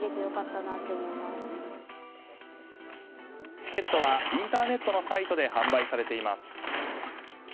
チケットはインターネットのサイトで販売されています。